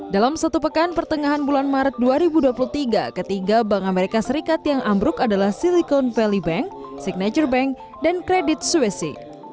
dalam satu pekan pertengahan bulan maret dua ribu dua puluh tiga ketiga bank amerika serikat yang ambruk adalah silicon valley bank signature bank dan kredit suisi